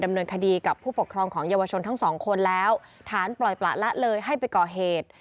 ดำเนินคดีกับผู้ปกครองของเยาวชนทั้งสองคนแล้วฐานปล่อยประละเลยให้ไปก่อเหตุ